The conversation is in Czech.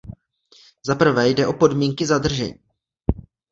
Zaprvé jde o podmínky zadržení.